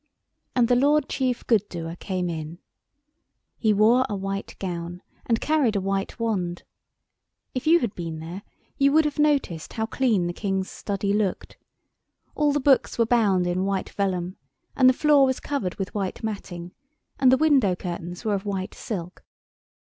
And the Lord Chief Good doer came in. He wore a white gown and carried a white wand. If you had been there you would have noticed how clean the King's study looked. All the books were bound in white vellum, and the floor was covered with white matting, and the window curtains were of white silk.